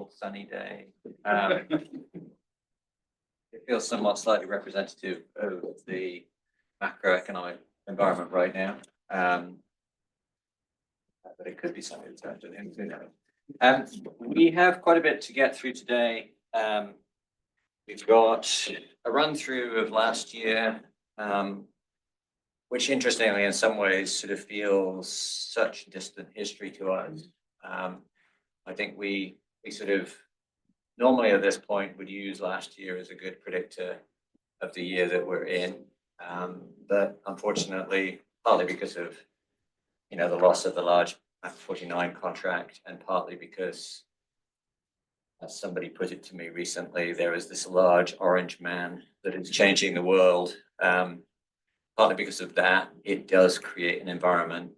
Beautiful sunny day. It feels somewhat slightly representative of the macroeconomic environment right now. It could be something that turns in. We have quite a bit to get through today. We've got a run-through of last year, which interestingly, in some ways, sort of feels such distant history to us. I think we sort of normally, at this point, would use last year as a good predictor of the year that we're in. Unfortunately, partly because of the loss of the large Mach49 contract and partly because somebody put it to me recently, there is this large orange man that is changing the world. Partly because of that, it does create an environment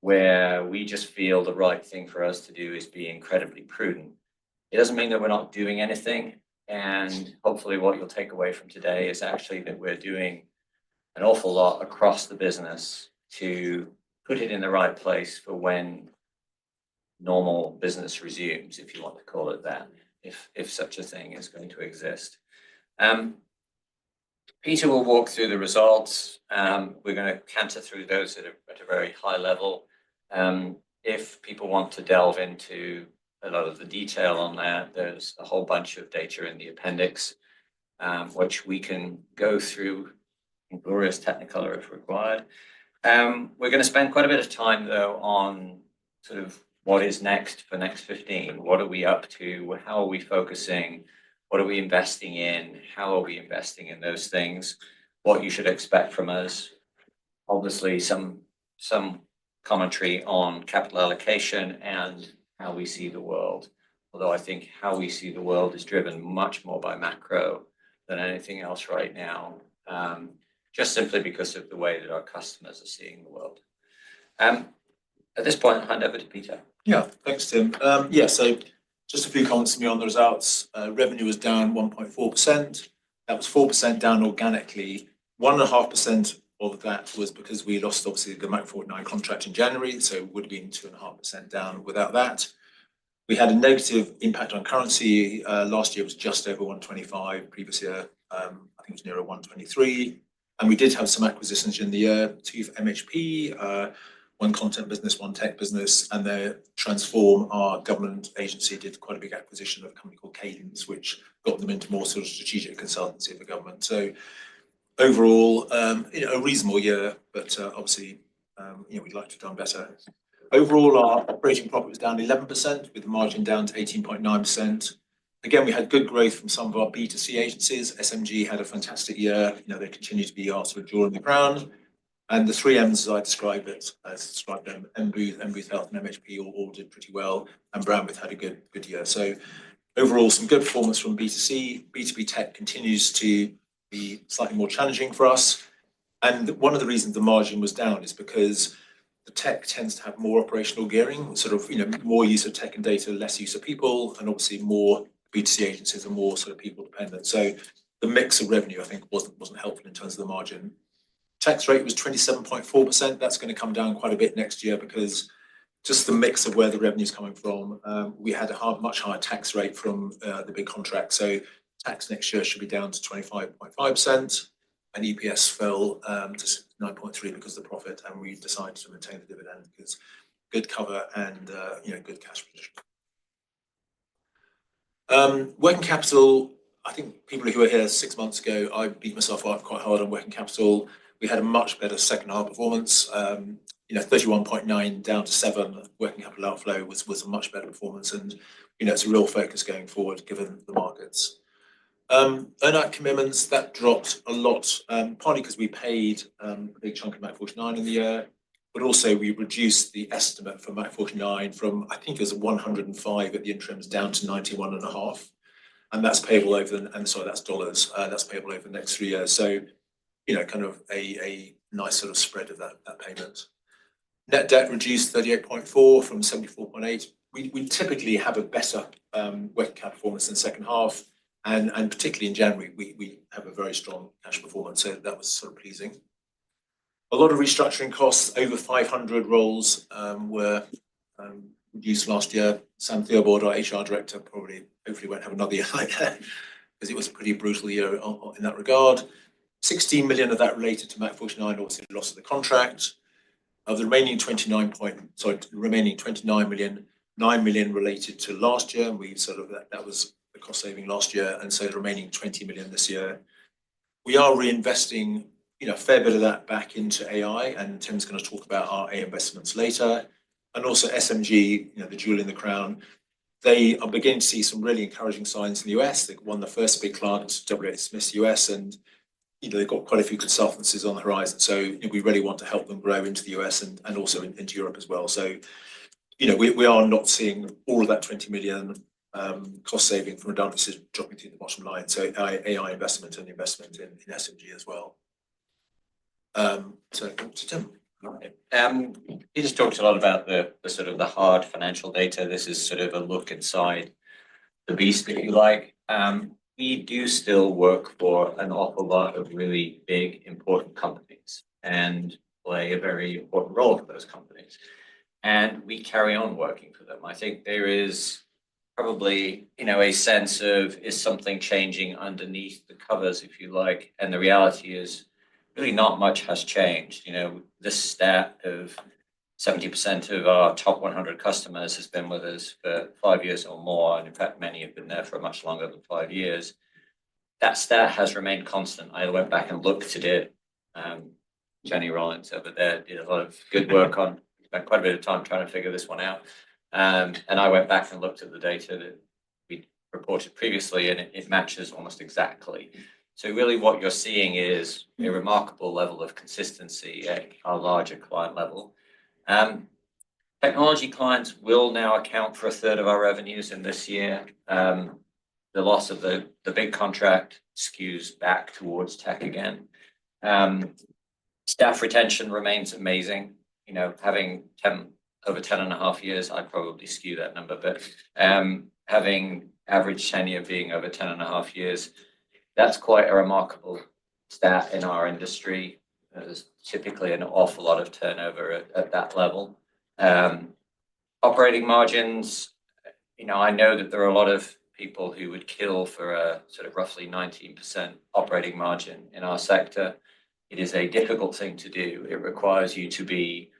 where we just feel the right thing for us to do is be incredibly prudent. It doesn't mean that we're not doing anything. Hopefully, what you'll take away from today is actually that we're doing an awful lot across the business to put it in the right place for when normal business resumes, if you want to call it that, if such a thing is going to exist. Peter will walk through the results. We're going to counter through those at a very high level. If people want to delve into a lot of the detail on that, there's a whole bunch of data in the appendix, which we can go through in glorious technicolor if required. We're going to spend quite a bit of time, though, on sort of what is next for Next 15. What are we up to? How are we focusing? What are we investing in? How are we investing in those things? What you should expect from us. Obviously, some commentary on capital allocation and how we see the world, although I think how we see the world is driven much more by macro than anything else right now, just simply because of the way that our customers are seeing the world. At this point, I'll hand over to Peter. Yeah, thanks, Tim. Yeah, just a few comments from me on the results. Revenue was down 1.4%. That was 4% down organically. One and a half percent of that was because we lost, obviously, the Mach49 contract in January, so it would have been 2.5% down without that. We had a negative impact on currency. Last year was just over 1.25. Previous year, I think it was near 1.23. We did have some acquisitions in the year, two for MHP, one content business, one tech business. Transform, our government agency, did quite a big acquisition of a company called Cadence, which got them into more sort of strategic consultancy for government. Overall, a reasonable year, but obviously, we'd like to have done better. Overall, our operating profit was down 11%, with the margin down to 18.9%. Again, we had good growth from some of our B2C agencies. SMG had a fantastic year. They continue to be our sort of drawing the ground. And the three Ms, as I describe it, as described them, M Booth, M Booth Health, and MHP all did pretty well. And Brandwidth had a good year. Overall, some good performance from B2C. B2B tech continues to be slightly more challenging for us. One of the reasons the margin was down is because the tech tends to have more operational gearing, sort of more use of tech and data, less use of people, and obviously more B2C agencies and more sort of people dependent. The mix of revenue, I think, was not helpful in terms of the margin. Tax rate was 27.4%. That's going to come down quite a bit next year because just the mix of where the revenue is coming from. We had a much higher tax rate from the big contract. Tax next year should be down to 25.5%. EPS fell to 9.3% because of the profit. We've decided to maintain the dividend because good cover and good cash position. Working capital, I think people who were here six months ago, I beat myself up quite hard on working capital. We had a much better second half performance. 31.9 down to 7 working capital outflow was a much better performance. It's a real focus going forward, given the markets. Earn-out commitments, that dropped a lot, partly because we paid a big chunk of Mach49 in the year, but also we reduced the estimate for Mach49 from, I think it was $105 at the interims, down to $91.5. And that's payable over the, and sorry, that's dollars, that's payable over the next three years. Kind of a nice sort of spread of that payment. Net debt reduced $38.4 from $74.8. We typically have a better working capital performance in the second half. Particularly in January, we have a very strong cash performance. That was sort of pleasing. A lot of restructuring costs, over 500 roles were reduced last year. Sam Theobald, our HR Director, probably hopefully won't have another year like that because it was a pretty brutal year in that regard. $16 million of that related to Mach49, obviously the loss of the contract. Of the remaining $29 million, $9 million related to last year. That was the cost saving last year. The remaining $20 million this year, we are reinvesting a fair bit of that back into AI. Tim's going to talk about our AI investments later. Also, SMG, the jewel in the crown, they are beginning to see some really encouraging signs in the US. They won the first big client, WHSmith U.S., and they have quite a few consultancies on the horizon. We really want to help them grow into the U.S. and also into Europe as well. We are not seeing all of that $20 million cost saving from a downward dropping to the bottom line. AI investment and investment in SMG as well. Tim. He just talked a lot about the sort of the hard financial data. This is sort of a look inside the beast, if you like. We do still work for an awful lot of really big, important companies and play a very important role for those companies. We carry on working for them. I think there is probably a sense of, is something changing underneath the covers, if you like. The reality is really not much has changed. This stat of 70% of our top 100 customers has been with us for five years or more. In fact, many have been there for much longer than five years. That stat has remained constant. I went back and looked at it. Jenny Rawlings over there did a lot of good work on quite a bit of time trying to figure this one out. I went back and looked at the data that we reported previously, and it matches almost exactly. Really what you're seeing is a remarkable level of consistency at our larger client level. Technology clients will now account for a third of our revenues in this year. The loss of the big contract skews back towards tech again. Staff retention remains amazing. Having over 10 and a half years, I'd probably skew that number, but having average tenure being over 10 and a half years, that's quite a remarkable stat in our industry. There's typically an awful lot of turnover at that level. Operating margins, I know that there are a lot of people who would kill for a sort of roughly 19% operating margin in our sector. It is a difficult thing to do. It requires you to be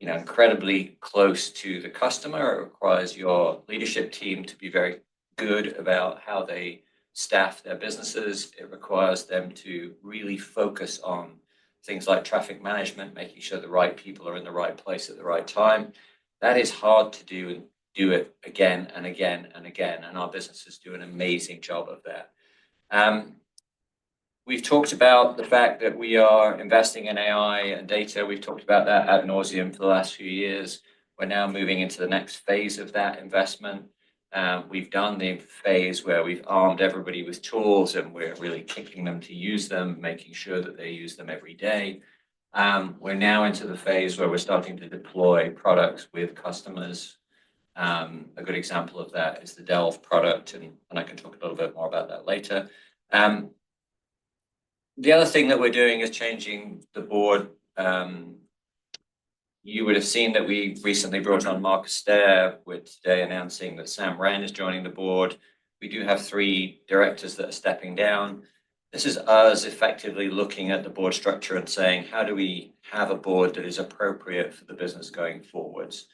incredibly close to the customer. It requires your leadership team to be very good about how they staff their businesses. It requires them to really focus on things like traffic management, making sure the right people are in the right place at the right time. That is hard to do and do it again and again and again. Our businesses do an amazing job of that. We've talked about the fact that we are investing in AI and data. We've talked about that ad nauseam for the last few years. We're now moving into the next phase of that investment. We've done the phase where we've armed everybody with tools and we're really kicking them to use them, making sure that they use them every day. We're now into the phase where we're starting to deploy products with customers. A good example of that is the Delve product. I can talk a little bit more about that later. The other thing that we're doing is changing the board. You would have seen that we recently brought on Marcus Stuttard, with today announcing that Sam Ramsey is joining the board. We do have three directors that are stepping down. This is us effectively looking at the board structure and saying, how do we have a board that is appropriate for the business going forwards?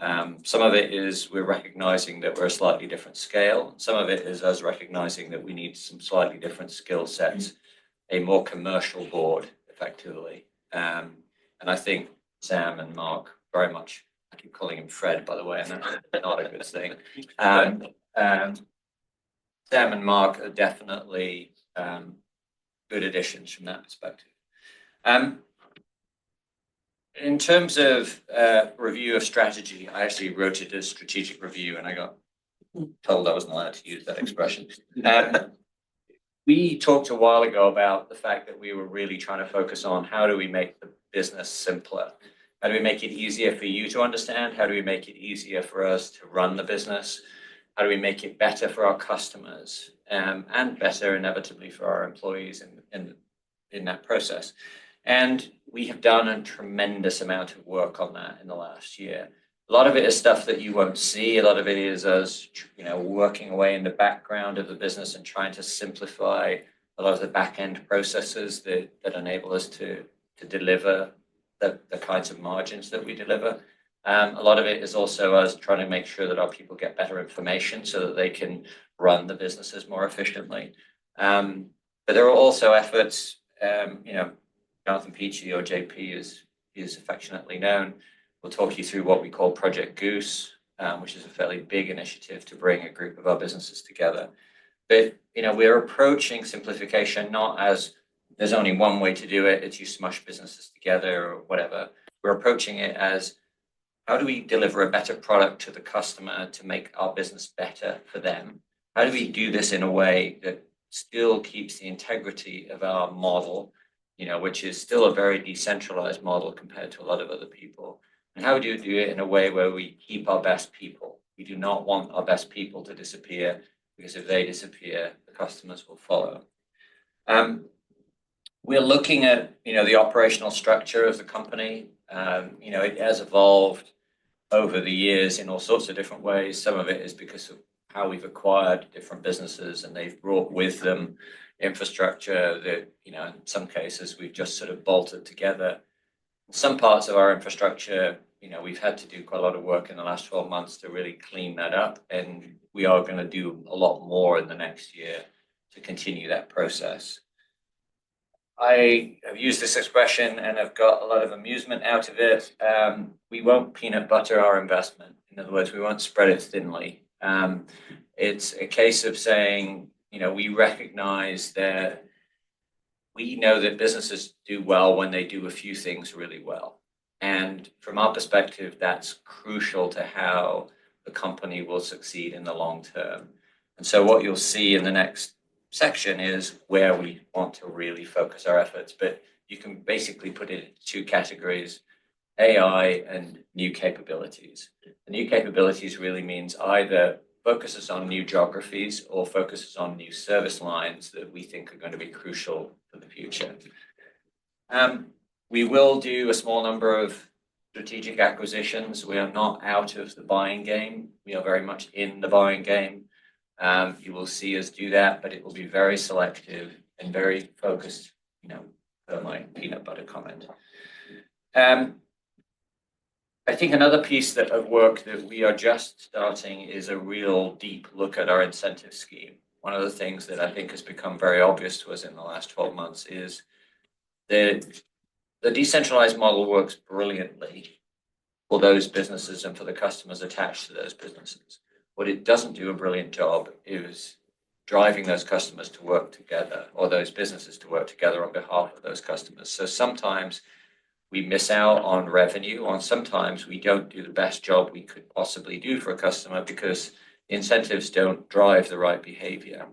Some of it is we're recognizing that we're a slightly different scale. Some of it is us recognizing that we need some slightly different skill sets, a more commercial board, effectively. I think Sam and Marcus very much, I keep calling him Fred, by the way, and that's not a good thing. Sam and Marcus are definitely good additions from that perspective. In terms of review of strategy, I actually wrote it as strategic review, and I got told I was not allowed to use that expression. We talked a while ago about the fact that we were really trying to focus on how do we make the business simpler? How do we make it easier for you to understand? How do we make it easier for us to run the business? How do we make it better for our customers and better, inevitably, for our employees in that process? We have done a tremendous amount of work on that in the last year. A lot of it is stuff that you will not see. A lot of it is us working away in the background of the business and trying to simplify a lot of the back-end processes that enable us to deliver the kinds of margins that we deliver. A lot of it is also us trying to make sure that our people get better information so that they can run the businesses more efficiently. There are also efforts. Jonathan Peachey, or JP, as he is affectionately known, will talk you through what we call Project Goose, which is a fairly big initiative to bring a group of our businesses together. We are approaching simplification not as there's only one way to do it. It is not you smash businesses together or whatever. We are approaching it as how do we deliver a better product to the customer to make our business better for them? How do we do this in a way that still keeps the integrity of our model, which is still a very decentralized model compared to a lot of other people? How do you do it in a way where we keep our best people? We do not want our best people to disappear because if they disappear, the customers will follow. We are looking at the operational structure of the company. It has evolved over the years in all sorts of different ways. Some of it is because of how we have acquired different businesses, and they have brought with them infrastructure that, in some cases, we have just sort of bolted together. Some parts of our infrastructure, we have had to do quite a lot of work in the last 12 months to really clean that up. We are going to do a lot more in the next year to continue that process. I have used this expression and have got a lot of amusement out of it. We will not peanut butter our investment. In other words, we will not spread it thinly. It's a case of saying we recognize that we know that businesses do well when they do a few things really well. From our perspective, that's crucial to how the company will succeed in the long term. What you'll see in the next section is where we want to really focus our efforts. You can basically put it in two categories: AI and new capabilities. The new capabilities really means either focuses on new geographies or focuses on new service lines that we think are going to be crucial for the future. We will do a small number of strategic acquisitions. We are not out of the buying game. We are very much in the buying game. You will see us do that, but it will be very selective and very focused for my peanut butter comment. I think another piece of work that we are just starting is a real deep look at our incentive scheme. One of the things that I think has become very obvious to us in the last 12 months is the decentralized model works brilliantly for those businesses and for the customers attached to those businesses. What it does not do a brilliant job is driving those customers to work together or those businesses to work together on behalf of those customers. Sometimes we miss out on revenue, and sometimes we do not do the best job we could possibly do for a customer because incentives do not drive the right behavior.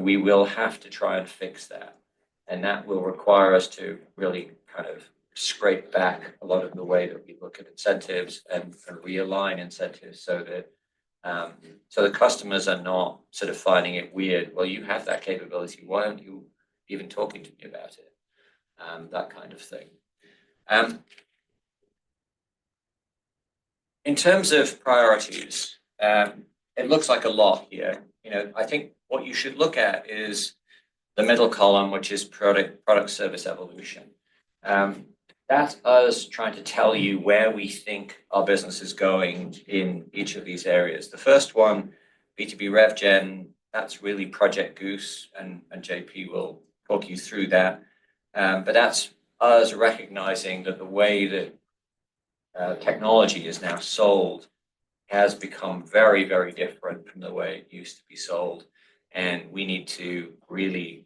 We will have to try and fix that. That will require us to really kind of scrape back a lot of the way that we look at incentives and realign incentives so that the customers are not sort of finding it weird. You have that capability. Why are you not even talking to me about it? That kind of thing. In terms of priorities, it looks like a lot here. I think what you should look at is the middle column, which is product service evolution. That is us trying to tell you where we think our business is going in each of these areas. The first one, B2B RevGen, that is really Project Goose, and JP will talk you through that. That is us recognizing that the way that technology is now sold has become very, very different from the way it used to be sold. We need to really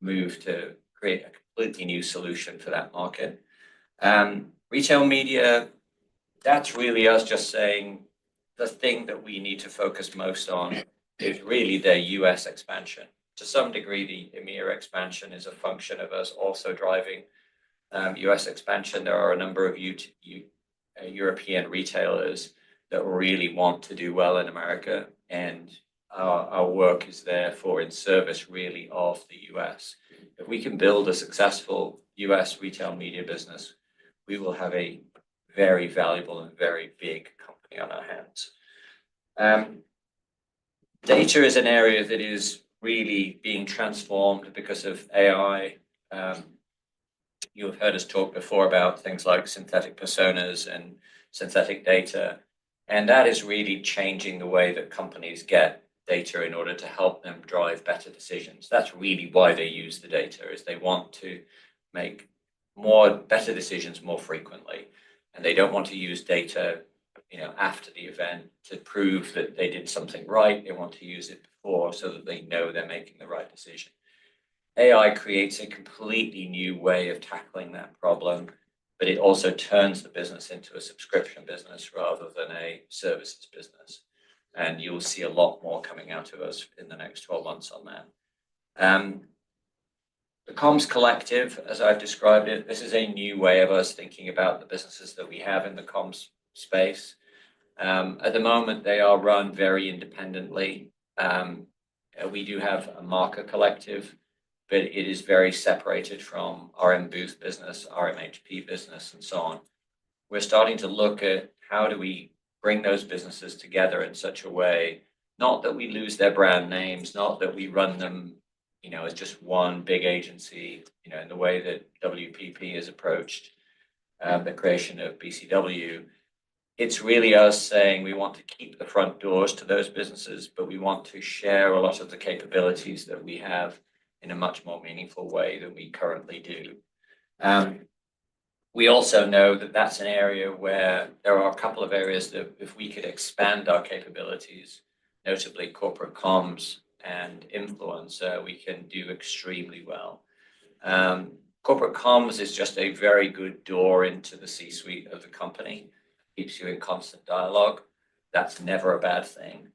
move to create a completely new solution for that market. Retail media, that's really us just saying the thing that we need to focus most on is really their U.S. expansion. To some degree, the EMEA expansion is a function of us also driving U.S. expansion. There are a number of European retailers that really want to do well in America, and our work is therefore in service really of the U.S. If we can build a successful U.S. retail media business, we will have a very valuable and very big company on our hands. Data is an area that is really being transformed because of AI. You have heard us talk before about things like synthetic personas and synthetic data. That is really changing the way that companies get data in order to help them drive better decisions. That's really why they use the data, is they want to make better decisions more frequently. They don't want to use data after the event to prove that they did something right. They want to use it before so that they know they're making the right decision. AI creates a completely new way of tackling that problem, but it also turns the business into a subscription business rather than a services business. You'll see a lot more coming out of us in the next 12 months on that. The Comms Collective, as I've described it, this is a new way of us thinking about the businesses that we have in the Comms space. At the moment, they are run very independently. We do have a market collective, but it is very separated from our M Booth business, our MHP business, and so on. We're starting to look at how do we bring those businesses together in such a way, not that we lose their brand names, not that we run them as just one big agency in the way that WPP has approached the creation of BCW. It's really us saying we want to keep the front doors to those businesses, but we want to share a lot of the capabilities that we have in a much more meaningful way than we currently do. We also know that that's an area where there are a couple of areas that if we could expand our capabilities, notably corporate comms and influence, we can do extremely well. Corporate comms is just a very good door into the C-suite of the company. It keeps you in constant dialogue. That's never a bad thing.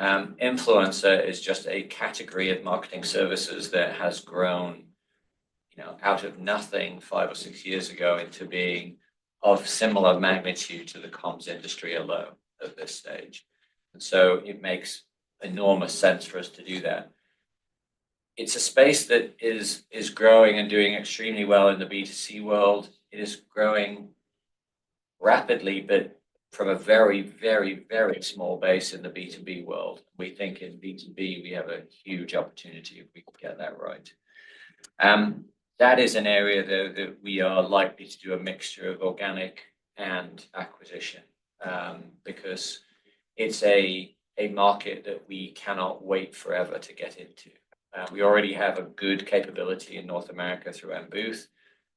Influencer is just a category of marketing services that has grown out of nothing five or six years ago into being of similar magnitude to the comms industry alone at this stage. It makes enormous sense for us to do that. It's a space that is growing and doing extremely well in the B2C world. It is growing rapidly, but from a very, very, very small base in the B2B world. We think in B2B, we have a huge opportunity if we can get that right. That is an area that we are likely to do a mixture of organic and acquisition because it's a market that we cannot wait forever to get into. We already have a good capability in North America through M Booth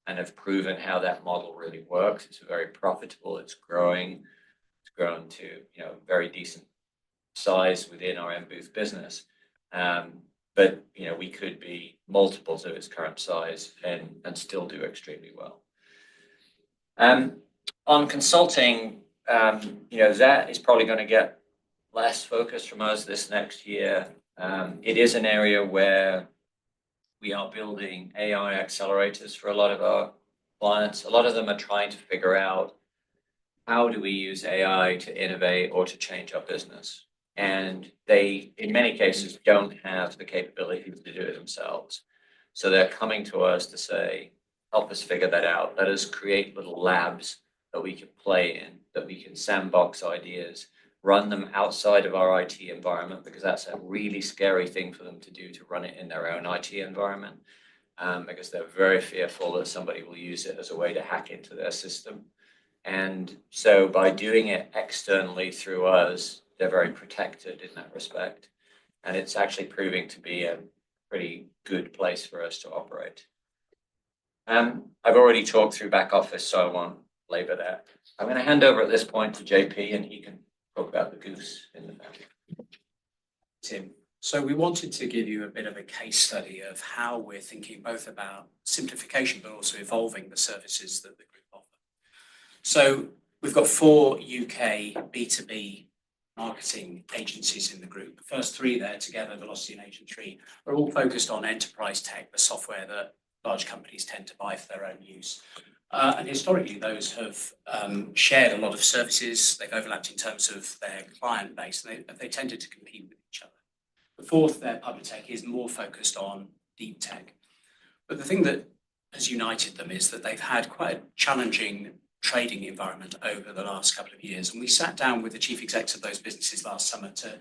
and have proven how that model really works. It's very profitable. It's growing. It's grown to a very decent size within our M Booth business. But we could be multiples of its current size and still do extremely well. On consulting, that is probably going to get less focused from us this next year. It is an area where we are building AI accelerators for a lot of our clients. A lot of them are trying to figure out how do we use AI to innovate or to change our business. And they, in many cases, don't have the capability to do it themselves. So they're coming to us to say, "Help us figure that out. Let us create little labs that we can play in, that we can sandbox ideas, run them outside of our IT environment," because that's a really scary thing for them to do to run it in their own IT environment because they're very fearful that somebody will use it as a way to hack into their system. By doing it externally through us, they're very protected in that respect. It's actually proving to be a pretty good place for us to operate. I've already talked through back office, so I won't labor there. I'm going to hand over at this point to JP, and he can talk about the goose in the back. Tim, we wanted to give you a bit of a case study of how we're thinking both about simplification, but also evolving the services that the group offers. We have four U.K. B2B marketing agencies in the group. The first three there together, Velocity and Agent3, are all focused on enterprise tech, the software that large companies tend to buy for their own use. Historically, those have shared a lot of services. They have overlapped in terms of their client base, and they tended to compete with each other. The fourth, Publitek, is more focused on deep tech. The thing that has united them is that they have had quite a challenging trading environment over the last couple of years. We sat down with the Chief Executives of those businesses last summer to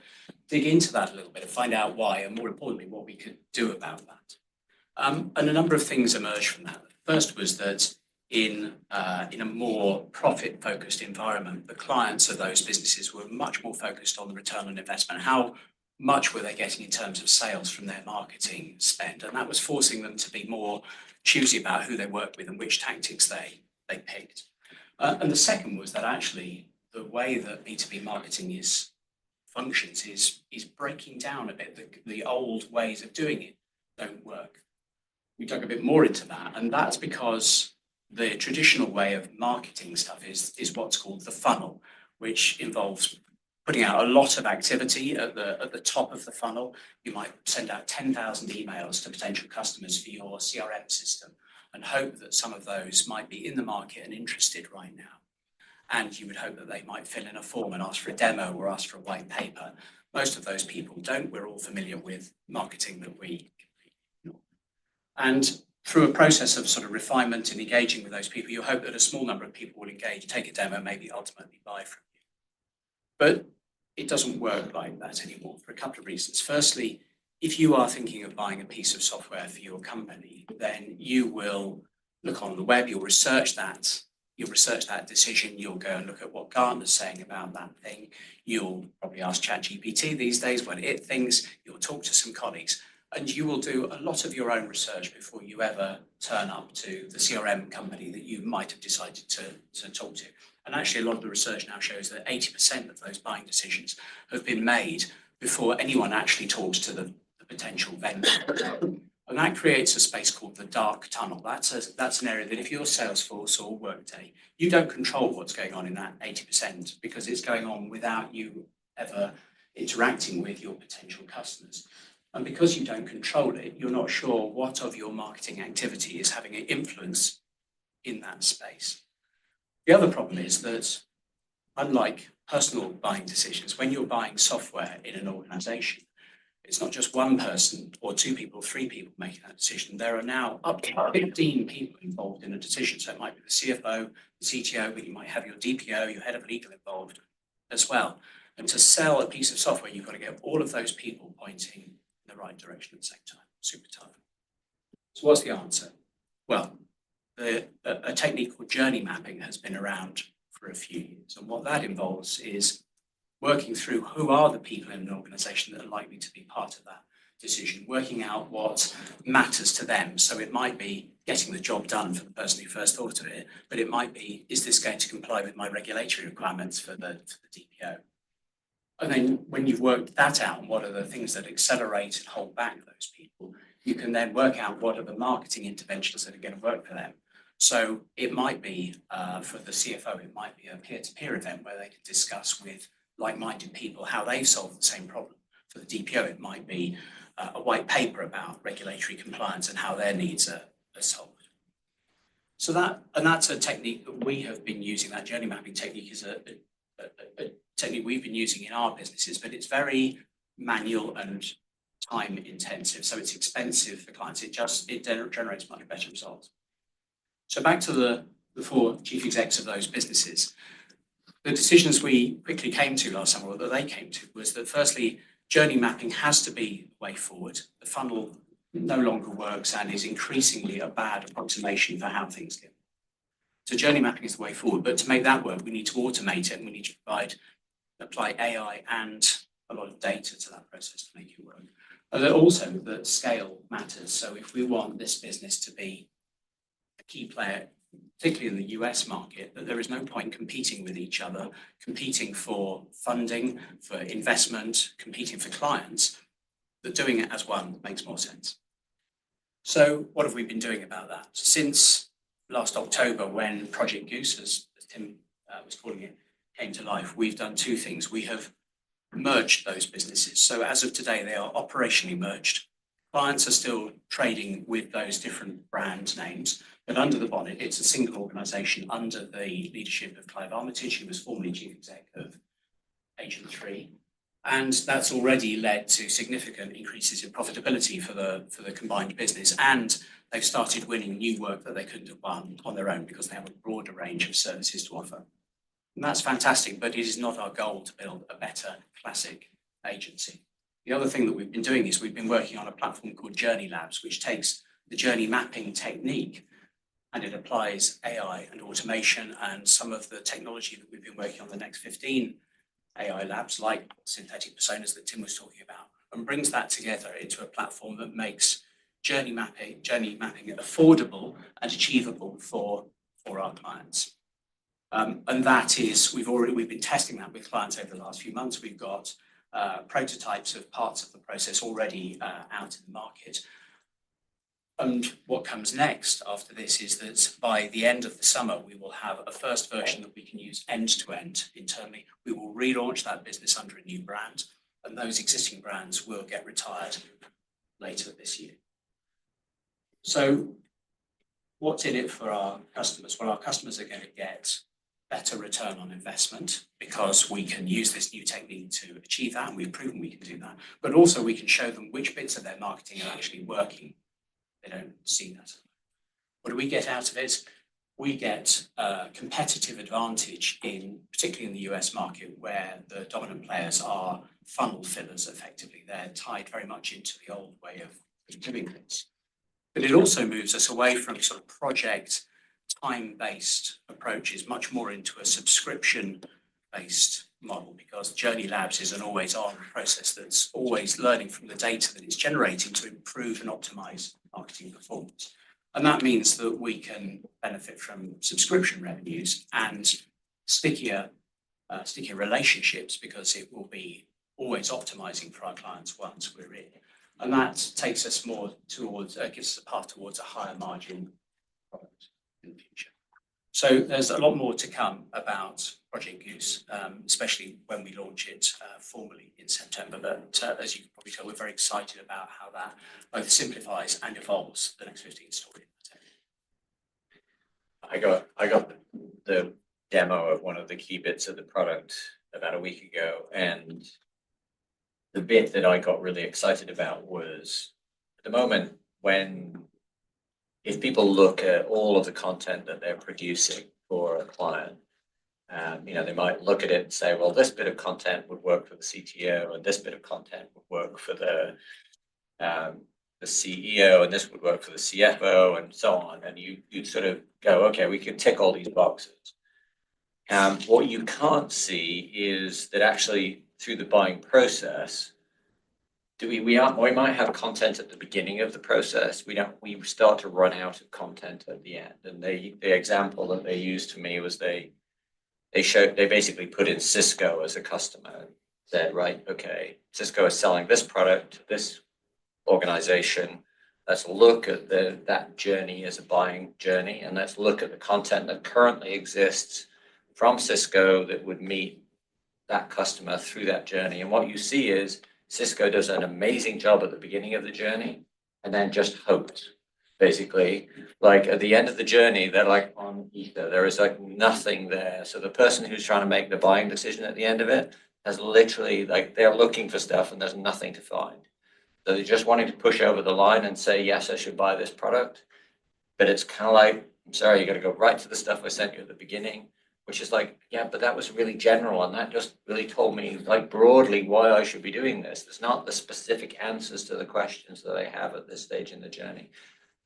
dig into that a little bit and find out why, and more importantly, what we could do about that. A number of things emerged from that. First was that in a more profit-focused environment, the clients of those businesses were much more focused on the return on investment. How much were they getting in terms of sales from their marketing spend? That was forcing them to be more choosy about who they work with and which tactics they picked. The second was that actually the way that B2B marketing functions is breaking down a bit. The old ways of doing it do not work. We dug a bit more into that. That is because the traditional way of marketing stuff is what is called the funnel, which involves putting out a lot of activity at the top of the funnel. You might send out 10,000 emails to potential customers for your CRM system and hope that some of those might be in the market and interested right now. You would hope that they might fill in a form and ask for a demo or ask for a white paper. Most of those people don't. We're all familiar with marketing that we completely ignore. Through a process of sort of refinement and engaging with those people, you hope that a small number of people will engage, take a demo, maybe ultimately buy from you. It doesn't work like that anymore for a couple of reasons. Firstly, if you are thinking of buying a piece of software for your company, you will look on the web. You'll research that. You'll research that decision. You'll go and look at what Gartner's saying about that thing. You'll probably ask ChatGPT these days what it thinks. You'll talk to some colleagues. You will do a lot of your own research before you ever turn up to the CRM company that you might have decided to talk to. Actually, a lot of the research now shows that 80% of those buying decisions have been made before anyone actually talks to the potential vendor. That creates a space called the dark tunnel. That's an area that if you're Salesforce or Workday, you don't control what's going on in that 80% because it's going on without you ever interacting with your potential customers. Because you don't control it, you're not sure what of your marketing activity is having an influence in that space. The other problem is that unlike personal buying decisions, when you're buying software in an organization, it's not just one person or two people, three people making that decision. There are now up to 15 people involved in a decision. It might be the CFO, the CTO, but you might have your DPO, your head of legal involved as well. To sell a piece of software, you've got to get all of those people pointing in the right direction and say, "Super time." What's the answer? A technique called journey mapping has been around for a few years. What that involves is working through who are the people in an organization that are likely to be part of that decision, working out what matters to them. It might be getting the job done for the person who first thought of it, but it might be, "Is this going to comply with my regulatory requirements for the DPO?" When you've worked that out and what are the things that accelerate and hold back those people, you can then work out what are the marketing interventions that are going to work for them. It might be for the CFO, it might be a peer-to-peer event where they can discuss with like-minded people how they solve the same problem. For the DPO, it might be a white paper about regulatory compliance and how their needs are solved. That is a technique that we have been using. That journey mapping technique is a technique we've been using in our businesses, but it's very manual and time-intensive. It is expensive for clients. It generates much better results. Back to the four chief execs of those businesses. The decisions we quickly came to last summer or that they came to was that, firstly, journey mapping has to be a way forward. The funnel no longer works and is increasingly a bad approximation for how things go. Journey mapping is the way forward. To make that work, we need to automate it, and we need to apply AI and a lot of data to that process to make it work. Also, scale matters. If we want this business to be a key player, particularly in the US market, there is no point competing with each other, competing for funding, for investment, competing for clients, that doing it as one makes more sense. What have we been doing about that? Since last October, when Project Goose, as Tim was calling it, came to life, we've done two things. We have merged those businesses. As of today, they are operationally merged. Clients are still trading with those different brand names, but under the bonnet, it's a single organization under the leadership of Clive Armitage, who was formerly Chief Exec of Agent 3. That's already led to significant increases in profitability for the combined business. They've started winning new work that they couldn't have won on their own because they have a broader range of services to offer. That's fantastic, but it is not our goal to build a better classic agency. The other thing that we've been doing is we've been working on a platform called Journey Labs, which takes the journey mapping technique, and it applies AI and automation and some of the technology that we've been working on in the Next 15 AI labs, like synthetic personas that Tim was talking about, and brings that together into a platform that makes journey mapping affordable and achievable for our clients. We've been testing that with clients over the last few months. We've got prototypes of parts of the process already out in the market. What comes next after this is that by the end of the summer, we will have a first version that we can use end-to-end internally. We will relaunch that business under a new brand, and those existing brands will get retired later this year. What's in it for our customers? Our customers are going to get better return on investment because we can use this new technique to achieve that, and we've proven we can do that. Also, we can show them which bits of their marketing are actually working. They don't see that. What do we get out of it? We get a competitive advantage, particularly in the U.S. market, where the dominant players are funnel fillers, effectively. They're tied very much into the old way of doing things. It also moves us away from sort of project-time-based approaches, much more into a subscription-based model because Journey Labs is an always-on process that's always learning from the data that it's generating to improve and optimize marketing performance. That means that we can benefit from subscription revenues and stickier relationships because it will be always optimizing for our clients once we're in. That takes us more towards or gives us a path towards a higher margin product in the future. There is a lot more to come about Project Goose, especially when we launch it formally in September. As you can probably tell, we are very excited about how that both simplifies and evolves the Next 15 stories. I got the demo of one of the key bits of the product about a week ago. The bit that I got really excited about was, at the moment, if people look at all of the content that they are producing for a client, they might look at it and say, "Well, this bit of content would work for the CTO, and this bit of content would work for the CEO, and this would work for the CFO," and so on. You'd sort of go, "Okay, we can tick all these boxes." What you can't see is that actually, through the buying process, we might have content at the beginning of the process. We start to run out of content at the end. The example that they used for me was they basically put in Cisco as a customer and said, "Right, okay, Cisco is selling this product to this organization. Let's look at that journey as a buying journey, and let's look at the content that currently exists from Cisco that would meet that customer through that journey." What you see is Cisco does an amazing job at the beginning of the journey and then just hopes, basically. At the end of the journey, they're like on ether. There is nothing there. The person who's trying to make the buying decision at the end of it has literally, they're looking for stuff, and there's nothing to find. They're just wanting to push over the line and say, "Yes, I should buy this product." It's kind of like, "I'm sorry, you've got to go right to the stuff I sent you at the beginning," which is like, "Yeah, but that was really general, and that just really told me broadly why I should be doing this." There's not the specific answers to the questions that they have at this stage in the journey.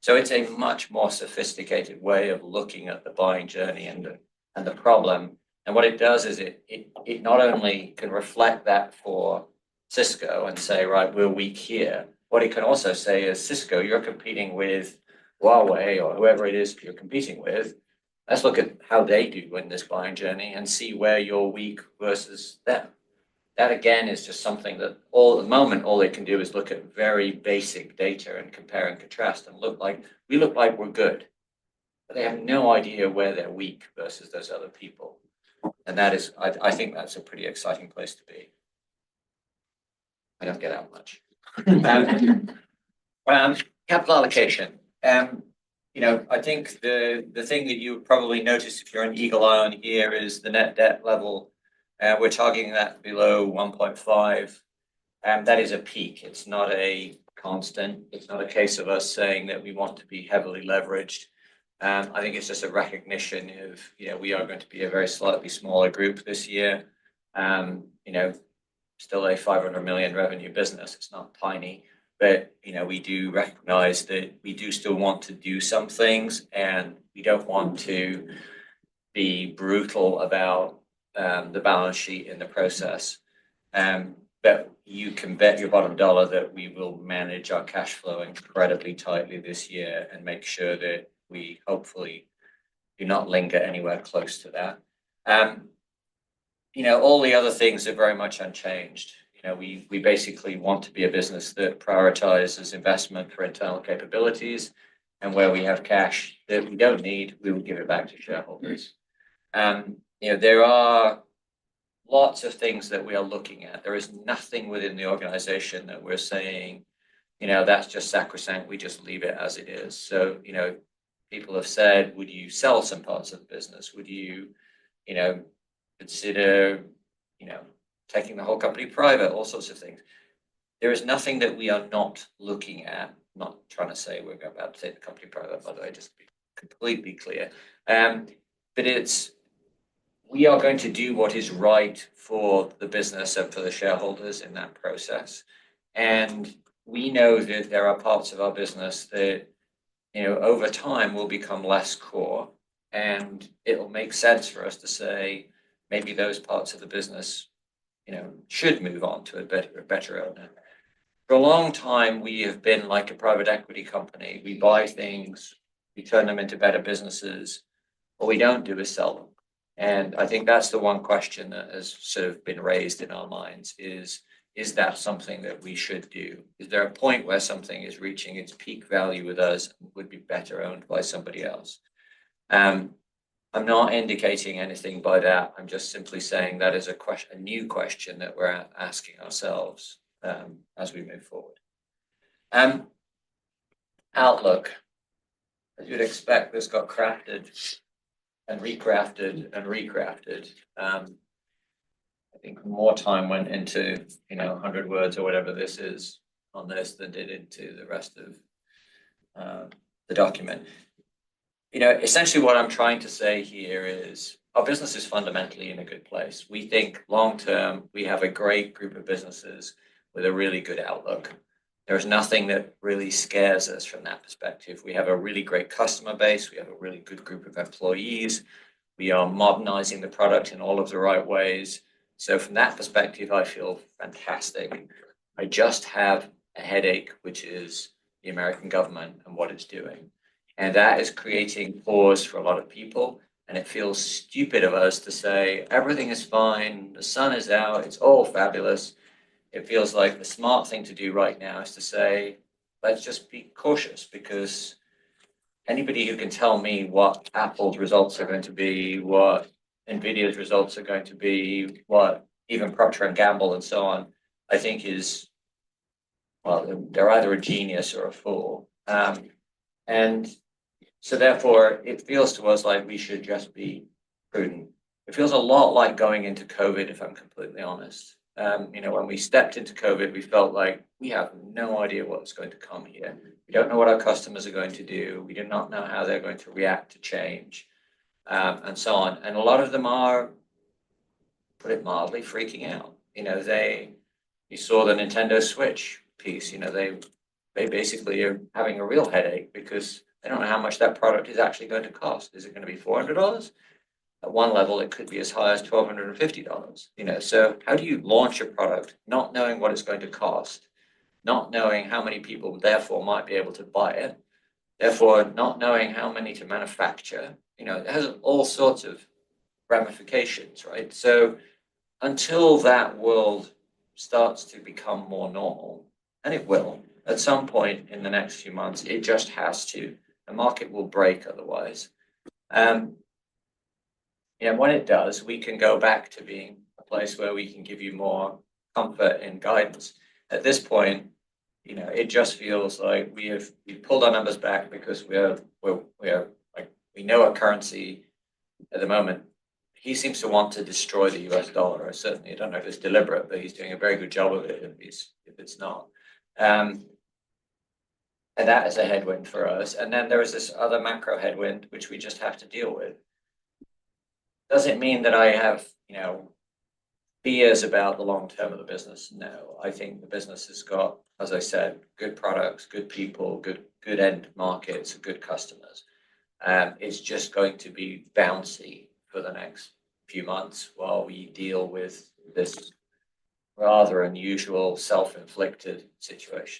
It's a much more sophisticated way of looking at the buying journey and the problem. What it does is it not only can reflect that for Cisco and say, "Right, we're weak here," what it can also say is, "Cisco, you're competing with Huawei or whoever it is you're competing with. Let's look at how they do in this buying journey and see where you're weak versus them." That, again, is just something that at the moment, all they can do is look at very basic data and compare and contrast and look like, "We look like we're good," but they have no idea where they're weak versus those other people. I think that's a pretty exciting place to be. I don't get out much. Capital allocation. I think the thing that you probably noticed if you're an eagle eye on here is the net debt level. We're targeting that below 1.5. That is a peak. It's not a constant. It's not a case of us saying that we want to be heavily leveraged. I think it's just a recognition of we are going to be a very slightly smaller group this year. Still a $500 million revenue business. It's not tiny. We do recognize that we do still want to do some things, and we don't want to be brutal about the balance sheet in the process. You can bet your bottom dollar that we will manage our cash flow incredibly tightly this year and make sure that we hopefully do not linger anywhere close to that. All the other things are very much unchanged. We basically want to be a business that prioritizes investment for internal capabilities. Where we have cash that we don't need, we will give it back to shareholders. There are lots of things that we are looking at. There is nothing within the organization that we're saying, "That's just sacrosanct. We just leave it as it is." People have said, "Would you sell some parts of the business? Would you consider taking the whole company private?" All sorts of things. There is nothing that we are not looking at. I'm not trying to say we're going to take the company private, by the way, just to be completely clear. We are going to do what is right for the business and for the shareholders in that process. We know that there are parts of our business that over time will become less core. It will make sense for us to say maybe those parts of the business should move on to a better owner. For a long time, we have been like a private equity company. We buy things. We turn them into better businesses. What we don't do is sell them. I think that's the one question that has sort of been raised in our minds is, "Is that something that we should do? Is there a point where something is reaching its peak value with us and would be better owned by somebody else?" I'm not indicating anything by that. I'm just simply saying that is a new question that we're asking ourselves as we move forward. Outlook. As you'd expect, this got crafted and recrafted and recrafted. I think more time went into 100 words or whatever this is on this than did into the rest of the document. Essentially, what I'm trying to say here is our business is fundamentally in a good place. We think long-term, we have a great group of businesses with a really good outlook. There is nothing that really scares us from that perspective. We have a really great customer base. We have a really good group of employees. We are modernizing the product in all of the right ways. From that perspective, I feel fantastic. I just have a headache, which is the American government and what it is doing. That is creating pause for a lot of people. It feels stupid of us to say, "Everything is fine. The sun is out. It is all fabulous." It feels like the smart thing to do right now is to say, "Let's just be cautious because anybody who can tell me what Apple's results are going to be, what Nvidia's results are going to be, what even Procter & Gamble and so on, I think is, well, they are either a genius or a fool." Therefore, it feels to us like we should just be prudent. It feels a lot like going into COVID, if I'm completely honest. When we stepped into COVID, we felt like we have no idea what's going to come here. We don't know what our customers are going to do. We do not know how they're going to react to change and so on. A lot of them are, to put it mildly, freaking out. You saw the Nintendo Switch piece. They basically are having a real headache because they don't know how much that product is actually going to cost. Is it going to be $400? At one level, it could be as high as $1,250. How do you launch a product not knowing what it's going to cost, not knowing how many people therefore might be able to buy it, therefore not knowing how many to manufacture? It has all sorts of ramifications, right? Until that world starts to become more normal, and it will at some point in the next few months, it just has to. The market will break otherwise. When it does, we can go back to being a place where we can give you more comfort and guidance. At this point, it just feels like we've pulled our numbers back because we know our currency at the moment. He seems to want to destroy the US dollar. I certainly do not know if it is deliberate, but he is doing a very good job of it if it is not. That is a headwind for us. There is this other macro headwind, which we just have to deal with. Does it mean that I have fears about the long term of the business? No. I think the business has got, as I said, good products, good people, good end markets, good customers. It's just going to be bouncy for the next few months while we deal with this rather unusual self-inflicted situation.